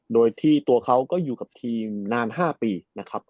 โดยที่ตัวเขาก็อยู่กับทีมนาน๕ปีนะครับ